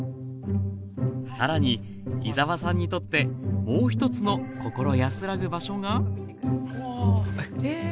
更に井澤さんにとってもう一つの心安らぐ場所がわあえっえ。